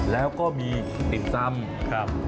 แล้วก็มีติดซัม